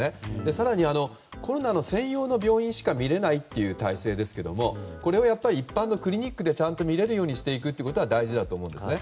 更に、コロナの専用の病院しか診れない体制ですがこれを一般のクリニックで診られるようにしていくことは大事だと思うんですね。